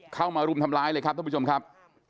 เข้ามารุมทำร้ายเลยครับท่านผู้ชมครับ